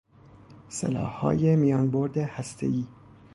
سلاحهای میان برد هستهای